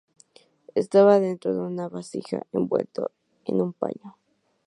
Estaba dentro de una vasija, envuelto en un paño.